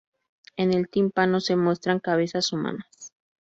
En el tímpano se muestran cabezas humanas.